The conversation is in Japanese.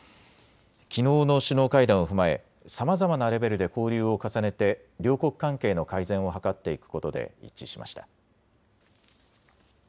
きのうの首脳会談を踏まえさまざまなレベルで交流を重ねて両国関係の改善を図っていくことで一致しました。